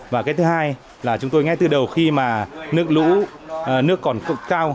và cái thứ hai là chúng tôi ngay từ đầu khi mà nước lũ nước còn cộng cao